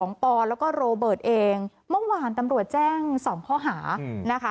ตอนก็โรเบิร์ตเองมั้งวานตำรวจแจ้งสองข้อหาอืมนะคะ